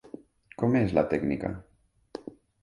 Com és la tècnica?